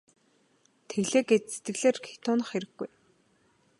Тэглээ гээд сэтгэлээр хэт унах хэрэггүй.